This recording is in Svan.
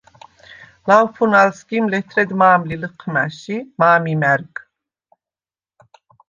ლავფუნალ სგიმ ლეთრედ მა̄მ ლი ლჷჴმა̈შ ი მა̄მ იმა̈რგ.